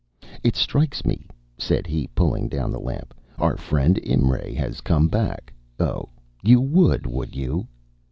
"It strikes me," said he, pulling down the lamp, "our friend Imray has come back. Oh! you would, would you?"